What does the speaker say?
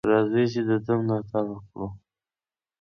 راځئ چې د ده ملاتړ وکړو.